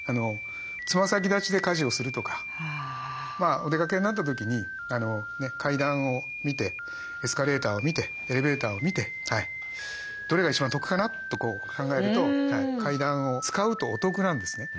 つま先立ちで家事をするとかお出かけになった時に階段を見てエスカレーターを見てエレベーターを見てどれが一番得かな？と考えると階段を使うとお得なんですね。